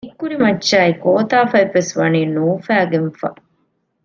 ނިތްކުރި މައްޗާއި ކޯތަފަތްވެސް ވަނީ ނޫފައިގަންފަ